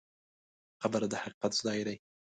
قبر د حقیقت ځای دی.